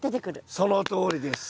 そのとおりです。